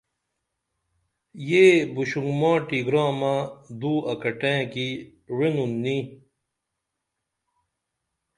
یہ بُشنگماٹی گرامہ دو اکٹیں کی وعنُن نی